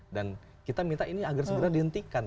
dan kita minta ini agar segera dihentikan